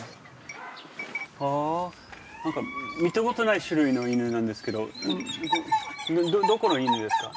何か見たことない種類の犬なんですけどどこの犬ですか？